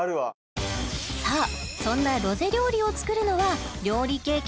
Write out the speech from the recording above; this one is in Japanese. さあそんなロゼ料理を作るのは料理経験